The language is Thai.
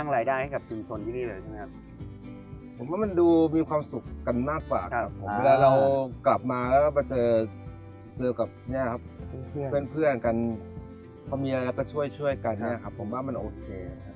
แล้วพอเจอเจอกับเพื่อนกันเขามีอะไรก็ช่วยกันครับผมว่ามันโอเค